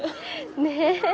ねえ。